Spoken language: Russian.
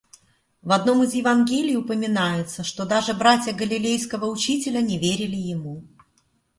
В одном из Евангелий упоминается, что даже братья Галилейского учителя не верили ему.